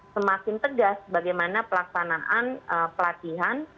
semakin tegas bagaimana pelaksanaan pelatihan